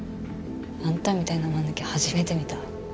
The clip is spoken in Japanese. あんたみたいなマヌケ初めて見た。